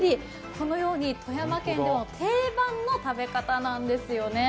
このように富山県では定番の食べ方なんですよね。